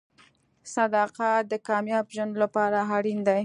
• صداقت د کامیاب ژوند لپاره اړین دی.